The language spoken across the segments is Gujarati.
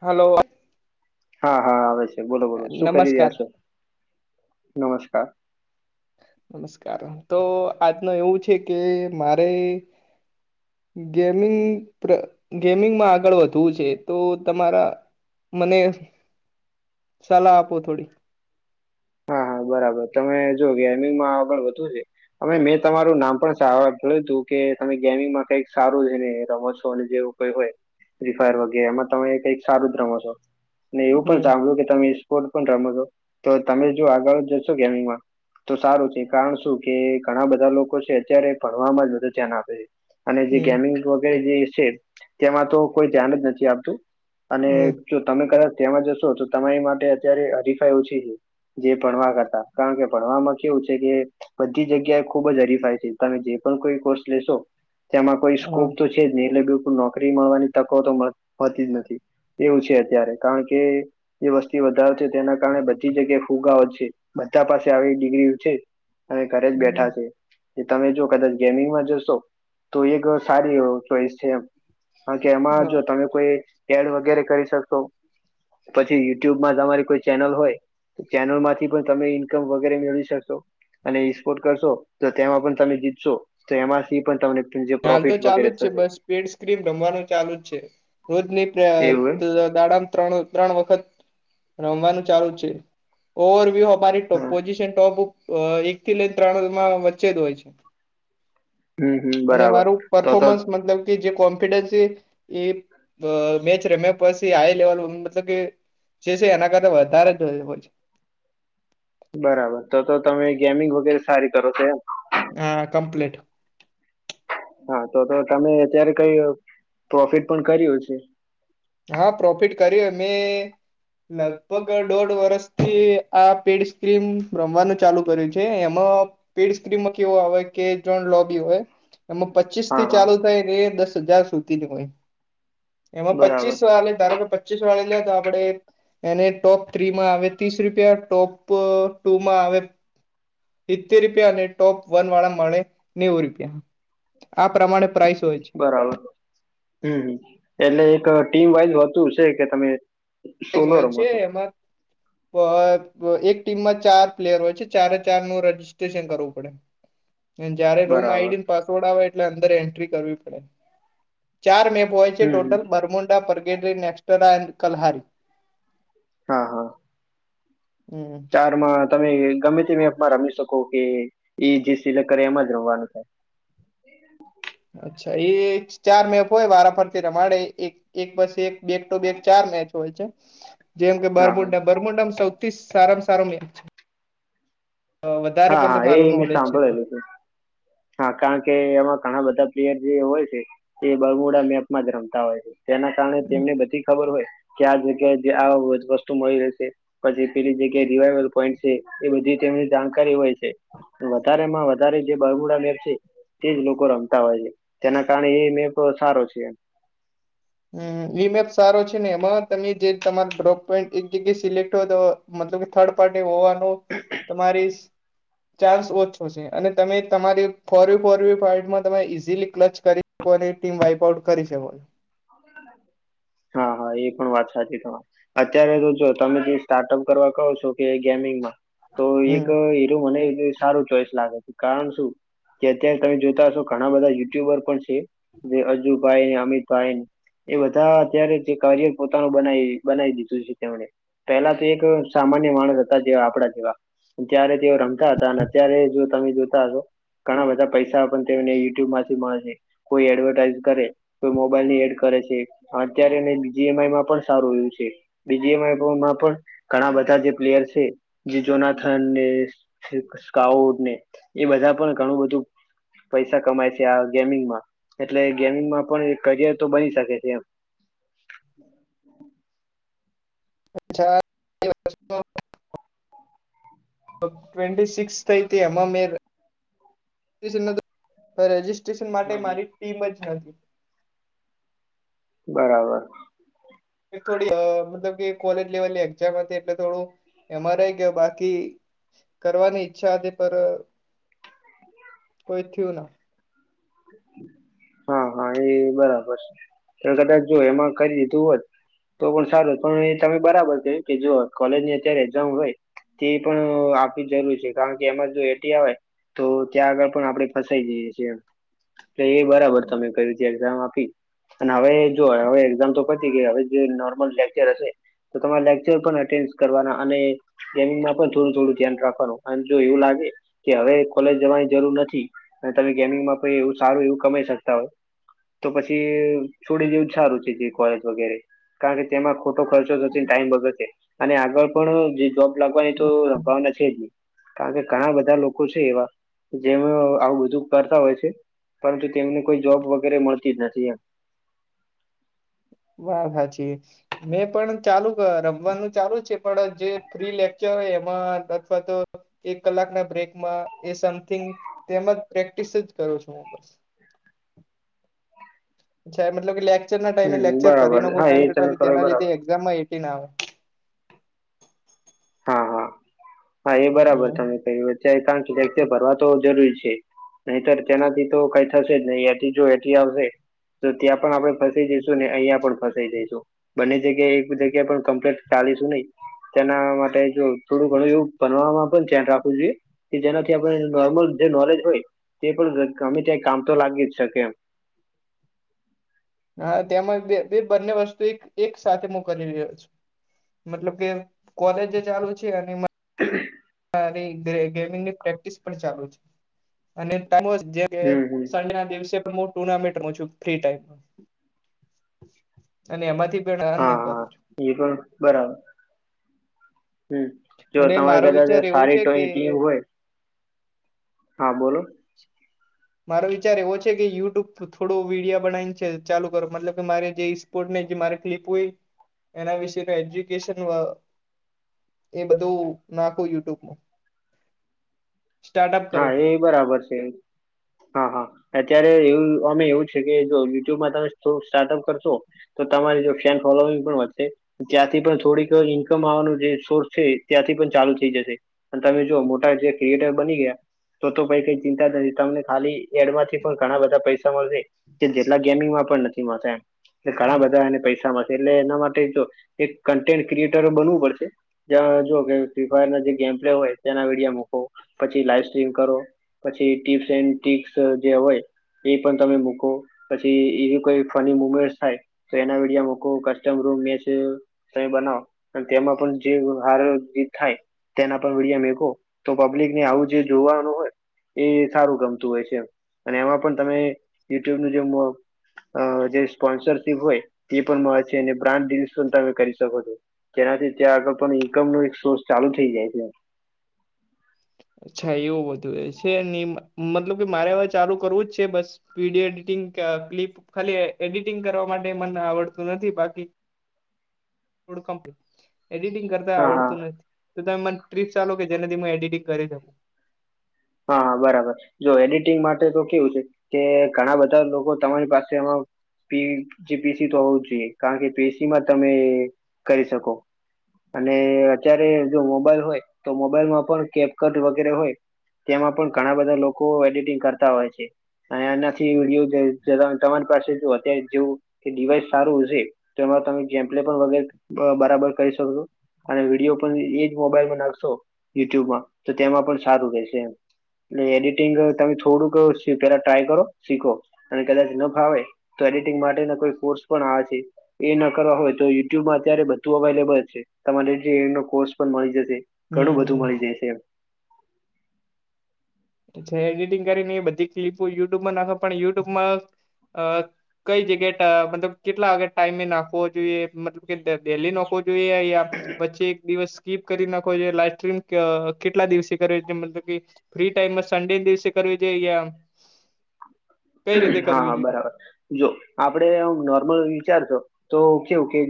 હલો. હા હા આવે છે બોલો બોલો શું કરી નમસ્કાર રહ્યા છો? નમસ્કાર. નમસ્કાર તો આજનું એવું છે કે મારે ગેમિંગ ગેમિંગમાં આગળ વધવું છે તો તમારા મને સલાહ આપો થોડી. હા હા બરાબર તમે જો ગેમિંગમાં આગણ વધુ છે. અમે મેં તમારું નામ પણ જોયું તું કે તમે ગેમિંગમાં કઈક સારું છે ને રમો છો અને જેવું. હોય ફ્રી ફાયર વગેરે એમાં તમે કઈક સારું જ રમો છો. ને એવું પણ હમ સાંભળ્યું કે તમે સ્પોર્ટ પણ રમો છો તો તમે જો આગળ જશો ગેમિંગમાં. તો સારું છે કારણ શું કે ઘણા બધા લોકો છે અત્યારે ભણવામાં જ બધુ ધ્યાન આપે છે. અને જે હમ ગેમિંગ વગેરે જે છે તેમાં તો કોઈ ધ્યાન જ નથી આપતું. અને હમ જો તમે કદાચ તેયામાં જશો તો તમારી માટે અત્યારે હરીફાઈ ઓછી છે. જે ભણવા કરતા કારણ કે ભણવામાં કેવું છે કે. બધી જગ્યા એ ખુબ જ હરીફાય છે તમે જે પણ કોઈ કોર્સ લેશો તેમાં કોઈ હા સ્કોપ તો‌. છે જ નહી એટલે બિલકુલ નોકરી મળવાની તકો તો હોતી જ નથી. એવું છે અત્યારે કારણ કે. જે વસ્તી વધારો છે તેના કારણે બધી જગ્યાએ ફુગાઓ છે બધા પાસે આવી ડિગ્રી છે. અને ઘરે જ હમ બેઠા છે. તમે જો કદાચ ગેમિંગમાં જશો તો એક સારી ચોઈસ છે એમ. હા કે એમાં હા જો તમે. કોઈ એડ વગેરે કરી શકશો પછી યુટ્યુબમાં તમારી કોઈ ચેનલ હોય. ચેનલ માંથી પણ તમે ઇન્કમ વગેરે મેળવી શકશો. અને સ્પોર્ટ કરશો તો તેમાં પણ તમે જીતશો તો એમાંથી પણ તમને. જે પ્રોફિટ વગેરે. એડ સ્ક્રીમ રમવાનું ચાલુ જ છે રોજની પ્ર એવું દાડ. ત્રણ ત્રળ વખત રમવાનું ચાલુ છે ઓવર વ્યુ. મારી એમ ટોપ હમ પોઝિશન ટોપ અ એક થી લઈને ત્રણમાં વચ્ચે જ હોય છે. હમ હમ. અને બરાબર મારું તો તો પરર્ફોમન્સ મતલબ. કે જે કોન્ફિડન્સ છે એ અ મેચ રમ્યા પછી હાઈ લેવલ મતલબ કે. જે છે એના કરતા વધારે જો હોય છે. બરાબર તો તો તમે ગેમિંગ વગેરે સારી કરો છો એમ. હા કમપ્લેટ. હા તો તો તમે અત્યારે કઈ પ્રોફિટ પણ કર્યો છે. હા પ્રોફિટ કર્યું મેં. લગભગ દોઢ વર્ષથી આ પેડ સ્ક્રીમ રમવાનું ચાલુ કર્યું છે એમાં. પેડ સ્ક્રીમાં કેવો આવે કે જો ત્રળ લોબી હોય. એમાં પચીસ હા થી હા ચાલુ થાયને એ દસ હજાર સુધી ની હોય એમાં. બરાબર પચીસ ધારો કેાઈ પચીસ વાળી લ્યા તો આપડે‌. એને ટોપ થ્રી માં આવે ત્રીસ રૂપિયા ટોપ ટુમાં આવે. સિતતેર રૂપિયા અને ટોપ વન વાળા મળે નેવું રૂપિયા. આ પ્રમાણે પ્રાઇસ. હોય છે બરાબર હમ્મ એટલે એક ટીમ વાઈઝ હોતું છે કે તમે જ સોલો હોય રમો છે છો એમાં એક ટીમમાં ચાર પ્લેયર હોય છે ચારે ચાર નું રજિસ્ટ્રેશન કરવું પડે [inaudible] જયારે રૂમ બરાબર આઈડી ને પાસવર્ડ આવે એટલે અંદર એન્ટ્રી કરવી પડે ચાર મેપ હોય છે હમ હમ ટોટલ બર્મુંડા પરગેરી નેક્રા એડ કલ્હાર. હા હા. હમ ચાર માં તમે ગમે તે મેપમાં રમી શકો કે એ જે સિલેક્ટ કરે એમાં જ રમવાનું થાય. એ [unintelligible] અચ્છા એ ચાર મેપ હોય વારા પરરથી રમાડે એક. એક બસ એક બે ટો બે ચાર મેચ હોય છે. જેમ કે હા હા બર્મુંડા બર્મુંડામાં સૌથી સારામાં સારો મેચ છે હા હા એ મેં નોલેજ અંદર સાંભળેલું છે હા કારણ કે એમાં ઘણા બધા પ્લેયર જે હોય છે એ બગોડા મેપમાં જ રમતા હોય છે તેના કારણે તેમને બધી ખબર હોય ક્યાં જગ્યાએ આ વસ્તુ મળી રહેશે પછી પેલી જેગ્યા રિવાઈવલ પોઈન્ટ છે એ બધી તેમની જાણકારી હોય છે વધારે માં વધારે જે બુરમુડા મેચ છે તેજ લોકો રમતા હોય છે તેના કારણે એ મેપ સારો છે હમ્મ વીમેપ સારો છે ને એમાં તમે જે તમારો ડ્રોપ પોઈન્ટ એક જગ્યાએ સિલેક્ટ હો તો મતલબ કે થર્ડ પાર્ટી હોવાનો તમારી ચાન્સ ઓછો છે અને તમે તમારી ફોર ફોર ફમાં તમે ઈઝીલી ક્લચ કરી શકો ટીમ વાઇપ આઉટ કરી શકો હા હા એ પણ વાત સાચી તમારી અત્યારે તો જો તમે જે સ્ટાર્ટઅપ કરવા કહો છો કે ગેમિંગમાં તો એક હમ હીરો મને સારું ચોઈસ લાગે છે કારણ શું જે અત્યારે તમે જોતા હશો ઘણા બધા યુટ્યુબર પણ છે જે અજુભાઈ ને અમિતભાઈ એ બધા અત્યારે જે કરિયર પોતાનું બનાવી બનાવી દીધું છે તેમણે પેલા તો એક સામાન્ય માણસ હતા જેવા આપણા જેવા ત્યારે તેઓ રમતા હતા અને અત્યારે જો તમે જોતા હશો ઘણા બધા પૈસા પણ તેમને યુટ્યુબમાંથી મળે કોઈ એડવર્ટાઈઝ કરે કોઈ મોબાઈલ ની એડ કરે છે અત્યારે ને બીજીએમ આઈમાં પણ સારું એ છે બીજી એમાં પણ ઘણા બધા જે પ્લેયર છે જે જોનાથનને સ્કાઉડ ને એ બધા પણ ઘણું બધું પૈસા કમાય છે આ ગેમિંગમાં એટલે ગેમિંગમાં પણ એક કરિયર તો બની શકે છે એમ અચછા ટ્વેન્ટી સિક્સ થઈ હતી એમાં મે રજિસ્ટ્રેશન માટે મારી ટીમ જ નથી બરાબર થોડી મતલબ કે કોલેજ લેવલ ની એક્ઝામ હતી એટલે થોડું એમાંરે કે બાકી કરવાની ઈચ્છા હતી પર કોઈ થિયું ના હા હા એ બરાબર છે તમે કદાચ જો એમાં કઈ દીધું હો ત તો પણ સારું પણ એ તમે બરાબર કયું કે જો કોલેજ ની અત્યારે એક્ઝામ હોય તે પણ આપવી જરૂર છે કારણ કે એમાં જો એટી આવે તો ત્યાં આગળ પણ આપણે ફસાઈ જઈએ છીએ બરાબર તમે કય્યું છે એક્ઝામ આપી અને હવે જો હવે એક્ઝામ તો પતી ગયે હવે જે નોર્મલ લેક્ચર હશે તો તમારે લેક્ચર પણ એટેન્ડ કરવાના અને ગેમિંગમાં પણ થોડું થોડું ધ્યાન રાખવાનું અને જો એવું લાગે કે હવે કોલેજ જવાની જરૂર નથી. અને તમે ગેમિંગમાં પણ એવું સારું એવું કમાઈ શકતા હોય. તો પછી છોડી દવું જ સારું છે, જે કોલેજ વગેરે કારણ કે તેમાં ખોટો ખર્ચ ટાઈમ બગડશે, અને આગળ પણ જોબ લાગવાની તો સંભાવના છે જ નહી. કારણ કે ઘણા બધા લોકો છે એવા જેમ આવું બધું કરતા હોય છે. પરંતુ તેમને કોઈ જોબ વગેરે મળતી જ નથી એમ વાત હાચી મેં પણ ચાલુ રમવાનું ચાલુ છે પણ જે ફ્રી લેક્ચર હોય એમાં અથવા તો એક કલાક ના બ્રેકમાં એ સમથિંગ તેમજ પ્રેક્ટિસ જ કરું છું હું બસ મતલબ કે લેક્ચર ના ટાઈમે હમ લેક્ચર ફરી બરાબર નાખો હા ટાઈમ એ ટુ તમે ટાઈમ કરો એ તેના બરાબર લીે એક્ઝામમાં એટી ના આવે હા હા હા એ બરાબર હમ તમે કયુ કારણ કે [unintelligible] ભરવા તો જરૂરી છે નહીતર તેનાથી તો કઈ થશે જ નહી એટી જો એટી આવશે તો ત્યાં પણ આપડણે ફસાઈ જઈશું ને અહિયાયા પણ ફસાઈ જઈશું બંને જગ્યાએ એક જગ્યા પણ કમ્પ્લીટ ચાલીશું નહી. તેના મા થોડું ઘણું એવું બનવામાં પણ ધ્યાન રાખવું જોઈએ. કે જેનાથી આપણે નોર્મલ જે નોલેજ હોય તે પણ ગમે ત્યાં કામ તો લાગી જ શકે એમ. હા તેમાં બે બે બંને વસ્તુ એક એક સાથે મકવા કરી રહ્યો છું મતલબ કે કોલેજ ચાલુ છે અને [unintelligible] ગેમિંગની પ્રેક્ટિસ પણ ચાલુ છે. અને હમ હમ [unintelligible] સંડે ના દિવસે પણ મોટ ટુનામેન્ટ છું ફ્રી ટાઈમ [unintelligible] અને એમાંથી હા હા કરું છું એ પણ બરાબર હમ. જો અને તમારી મારો કદાચ વિચાર એવો સારી છે કે ટ ટીમ હોય હા બોલો [inaudible] મારો વિચાર એવો છે કે, યુટ્યુબ પર થોડો વિડીયો બનાવીને છે ચાલુ કરો મતલબ કે મારે જે જે મારી ક્લપ હોય એના વિશે એજ્યુકેશન એ બધું નાખું યુટ્યુબ માં હા કરું. એ બરાબર છે. હા હા અત્યારે એવું અમે એવું છે કે જો યુટ્યુબમાં તમે સ્ટાર્ટઅપ કરશો. તો તમારી જો ફેન ફોલોંગ પણ વધશે. ત્યાંથી પણ થોડીક ઈન્કમ આવવાનો જે સોર્સ છે, ત્યાંથી પણ ચાલુ થઈ જશે. અને તમે જોઓ મોટા જે ક્રિએટર બની ગયા. તો તો ભઈ કઈ ચિંતા નથી તમને ખાલી એડમાંથી પણ ઘણા બધા પૈસા મળશે. જેટલા ગેમિંગમાં પણ નથી મળતા એમ ઘણા બધા એને પૈસા પૈસામાં એટલે એના માટે જો એક કન્ટેન્ટ ક્રિએટરો બનવું પડશે. ત્યા જોુ કે ફ્રી ફાયર ના જે ગેમ પ્લે હોય તેના વિડીયો મુકો પછી લાઈફ કરો પછી ટીપ્સ એ ટ જે હોય. એ પણ તમે મૂકો પછી એવી કોઈ ફની મુમેન્ટ થાય. તો એના વિડમ કસ્ટમ રૂમ મેસે-' ત બનાવો અને તેમાં પણ જે હાર જે થાય. તેના પર મીડિયા મેખો તો પબ્લિક ને આવું જે જોવાનું હોય. એ સારું ગમતું હોય છે અને એમાં પણ તમે યુટ્યુબ નું જે અ જે સ્પોન્સરશીપ હોય તે પણ મળ છે અને બ્રાન્ડિ પણ તમે કરી શકો છો. જેનાથી ત્યાં આગળ ઈન્કમ નો એક સોર્સ ચાલુ થઈ જાય છે. અચ્છા એવું બધું એ છે મતલબ કે મારે હવે ચાલુ કરવું જ છે બસ વિીડીયો એડિટિંગ ક્લિપ ખાલી એડિટિંગ કરવા માટે મને આવડતું નથી બાકી થોડ કંપની [inaudible] એડિટિંગ કરતા હા હા આવડતું નથી તો તમે મને ટ્રીપ ચાલો કે જેનાથીું એડિટિંગ કરી શકું. હાા બરાબર જો એડિટિંગ માટે તો કેવું છે. કે ઘણા બધા લોકો તમારી પાસે એમાં પી જે પીસી તો હોવું જ જોઈએ કારણ કે પીસી માં તમે કરી શકો. અને અત્યારે જો મોબાઈલ હોય તો મોબાઈલમાં પણ કેપકટ વગેરે હોય. તેમાં પણ ઘણા બધા લોકો એડિટિંગ કરતા હોય છે. અને એનાથી તમારી પાસે અત્યારે જેવું ડિવાઈસ સારું છે. તો એમાં તમે જેમ્પલે પણ વગેરે બરાબર કરી શકશો. અને વિડીયો પણ એજ મોબાઈલમાં નાખશો યુટ્યુબમાં તો તેમાં પણ સારું રહેશે. એડિટિંગ તમે થોડુંક પેલા ટ્રાય કરો શીખો. અને કદાચ ન ફાવે તો એડિટિંગ માટેના કોઈ ફર્સ પણ આવે છે. એ ન કરવા હોય તો યુટ્યુબમાં અત્યારે બધું અવેલેબલ છે તમારે જે એનો કોર્સ પણ મળી જશે. ઘણું બધું હમ્મ. મળી જાય છે. એડિટિંગ કરીને એ બધી ક્લિપો યુટ્યુબ માં નાખો પણ યુટ્યુબમાં કઈ જગ્યા મતલબ કેટલા વાગે ટાઈમે નાખવો જોઈએ મતલબ કે ડેલી નાખો જોઈએ. જોઈએ અયા વચ્ચે એક દિવસ સ્કીપ કરી નાખો લાઈફ સ્ટ્રીમ કેટલા દિવસે કરે છે મતલબ કે ફ્રી ટાઈમમાં સંડે દિવસે કરે અયા હા હા જોઈએ બરાબર જો આપડે નોર્મલ વિચારશો તો કેવું કે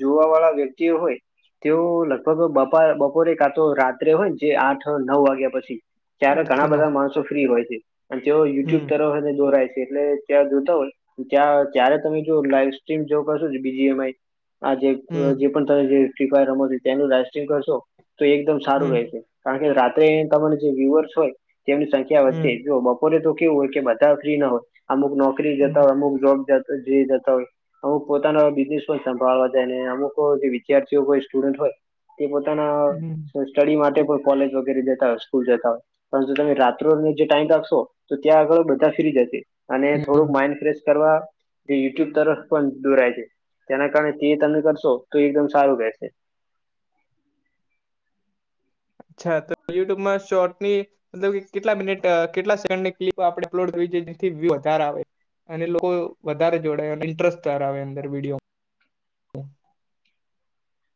જોવા વાળા વ્યક્તિઓ હોય. તેઓ લગભગ બપ બપોરે કા તો રાત્રે હોય ને જે આઠ નવ વાગ્યા પછી ત્યારે આઠ થી ઘણા નવ બધા માણસો ફ્રી હોય છે અને તેઓ યુટ્યુબ હમ તરફ દોરાય છે એટલે ત્યાં જોતા હોય. ત્યાં ત્યારે તમે જો લાઈફ સ્ટ્રીમ જોવ કરશો જ બીજીએમ આઈ આ હમ જે પણ તમે ફ્રી ફાયર રમો તેનું લાઈવ [unintelligible] કરશો તો એકદમ સારું હમ રહેશે કારણ કે રાત્રે ત જે વ્યુઅર્સ હોય તેમની સંખ્યા વધશે હમ જો બપોરે તો કેવું હોય કે બધા ફ્રી ના હોય અમુક નોકરી જતા હમ હોય અમુક જોબ જતા હોય અમુક પોતાનો બિઝનેસ હોય સંભાળવા જાય ને અમુક જે વિદ્યાર્થીઓ કો સ્ટુડન્ટ હોય તે પોતાના હમ સ્ટડી માટે પણ કોલેજ વગેરે જતા હોય સ્કૂલ જતા હોય. પર જો તમે રાત્રોને જે ટાઈમ રાખશો તો ત્યાં આગળ બધા ફ્રી જશે અને થોડુંક હમ માઇન્ડ ફ્રેશ કરવા જે યુટ્યુબ તરફ પણ દોરાય છે. તેના કારણે તે તમે કરશો તો એકદમ સારું રહેશે. અચ્છા તો યુટ્યુબમાં શોર્ટની મતલબ કેટલા મિનિટ કેટલા સેન્ડ ક્લિપ અપલોડ કરીવી છે જેથી [unintelligible] વધારે આવે. અને લોકો વધારે જોડાય અને ઇન્ટરેસ્ટ તાર આવે અંદર વિડીયો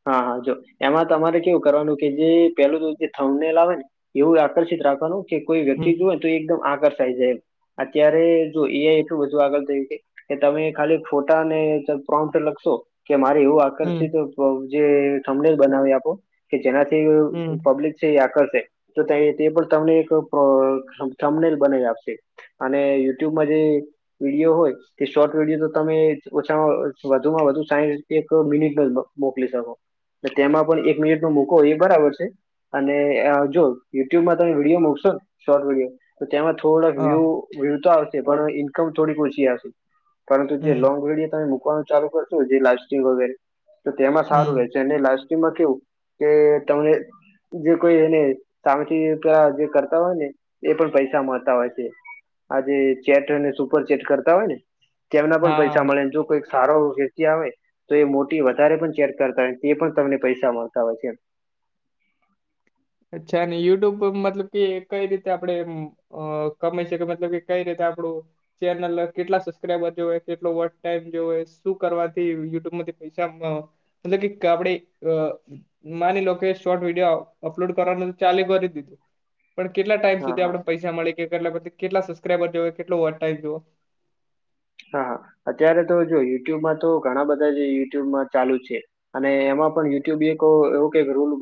હા હા જો એમાં તમારે કેવું કરવાનું કે જે પેલું તો જે થંમનેલ આવે ને એવું આકર્ષિત રાખવાનું કે કોઈ હમ વ્યક્તિ જોવે તો એકદમ આકર્ષાય જાય એમ. અત્યારે જો એ એટલું બધું આગળ થયું કે કે તમે ખાલી ફોટા પ્રોન્ટ લખશો કે મારે એવું હમ આકર્ષિત જે થંમનેલ બનાવી આપો કે જેનાથી હમ પબ્લિક આકર્ષે તો તે પણ તમને એક થંમનેલ બનાવી આપશે. અને યુટ્યુબમાં જે વિડીયો હોય. કે શોર્ટ વિડીયો તો તમે ઓછામાં વધુમાં વધુ સાહીઠ એક મિનિટ મોકલી શકો તેમાં પણ એક મિનિટ ન મૂકો એ બરાબર છે. અને અ જો યુટ્યુબમાં તમે વિડીયો મુકશો ન શોર્ટ વિડીયો તેમાં થોડાક હા વ્યૂ વ્યૂ તો આવશે પણ ઈન્કમ થોડીક ઓછી આવશે. પરંતુ જે હમ લોંગ વીડિયો તમે મૂકવાનું ચાલુ કરશો જે લાઈવ સ્ટ્રીમ વગેરે તો તેમાં સારું હમ રહે છે અને લાસ્ટ ટાઈમમાં કેવું કે તને જે કોઈ એને સામેથી પેલા જે કરતા હોય ને એ પણ પૈસા મળતા હોય છે. આજે ચેટ અને સુપર ચેટ કરતા હોય ને. તેમના પણ પૈસા હા મળે જો કોઈક સારો વ્યક્તિ આવે મોટી વધારે પણ ચેક કરતા હોય એ પણ તમને પૈસા મળતા હોય છે. અચ્છા અને યુટ્યુબ મતલબ કે કઈ રીતે આપડે અ કમાઈ શકે મતલબ કે કઈ રીતે આપડું ચેનલ કેટલા સબસ્ક્રાઈબર જો કેટલો વોટ ટાઈમ જો શું કરવાથી યુટ્યુબમાંથી પૈસા મતલબ કે આપે અ માની લો કે શોર્ટ વિડીયો અપલોડ કરવાનું તો ચાલે કરી દીધું પણ કેટલા ટાઈમ હા સુધી હા આપડ પૈસા મળે કેટલા પછી કેટલા સબસ્ક્રાઈબર જો કેટલો વોચ ટાઈમ જોવે. હા અત્યારે તો જો યુટ્યુબમાં તો ઘણા બધા જ યુટ્યુબમાં ચાલુ છે. અને એમાં પણ યુટ્યુબ એક એવું કે રોલ